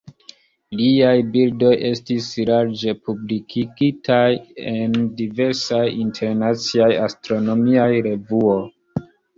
Liaj bildoj estis larĝe publikigitaj en diversaj internaciaj astronomiaj revuoj.